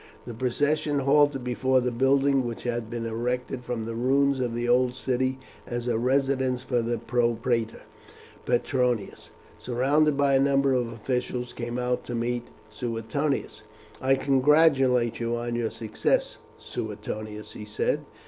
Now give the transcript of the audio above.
The procession halted before the building which had been erected from the ruins of the old city as a residence for the propraetor. Petronius, surrounded by a number of officials, came out to meet Suetonius. "I congratulate you on your success, Suetonius," he said.